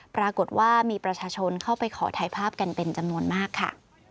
ปรากฏว่ามีประชาชนเข้าไปขอถ่ายภาพกันเป็นจำนวนมากค่ะ